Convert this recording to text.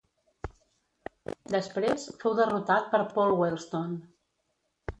Després, fou derrotat per Paul Wellstone.